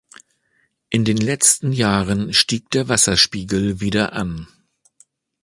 In den letzten Jahren stieg der Wasserspiegel wieder an.